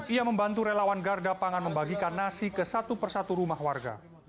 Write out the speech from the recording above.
ia membantu relawan garda pangan membagikan nasi ke satu persatu rumah warga